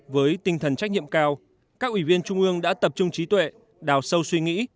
với tinh thần trách nhiệm cao các ủy viên trung ương đã tập trung trí tuệ đào sâu suy nghĩ